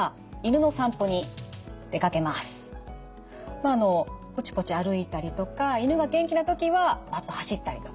まああのぽちぽち歩いたりとか犬が元気な時はバッと走ったりとか。